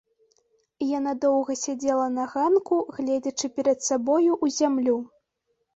Яна доўга сядзела на ганку, гледзячы перад сабою ў зямлю.